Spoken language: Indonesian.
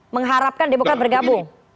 mengharapkan demokrat mau bergabung ya bang eriko